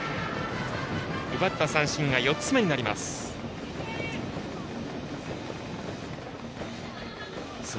奪った三振が４つ目になります。